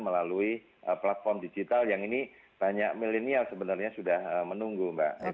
melalui platform digital yang ini banyak milenial sebenarnya sudah menunggu mbak